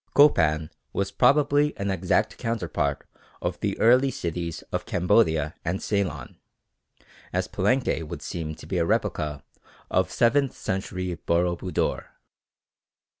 Copan was probably an exact counterpart of the early cities of Cambodia and Ceylon, as Palenque would seem to be a replica of seventh century Boro Budor.